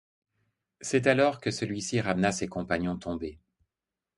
C'est alors que celui-ci ramena ses compagnons tombés.